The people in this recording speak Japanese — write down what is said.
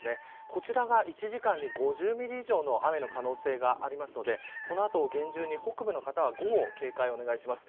こちらが１時間に５０ミリ以上の雨の可能性がありますのでこの後、厳重に北部の方は午後、警戒をお願いします。